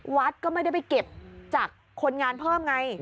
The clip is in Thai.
วัดก็ไม่ได้ไปเก็บจากคนงานเพิ่มไง